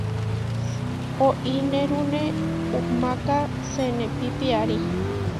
Oínerune umáka senepí piarí.